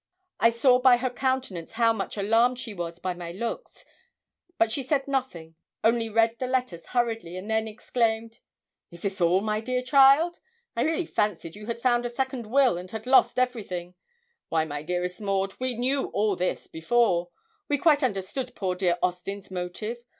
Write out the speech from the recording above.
I saw by her countenance how much alarmed she was by my looks, but she said nothing, only read the letters hurriedly, and then exclaimed 'Is this all, my dear child? I really fancied you had found a second will, and had lost everything. Why, my dearest Maud, we knew all this before. We quite understood poor dear Austin's motive.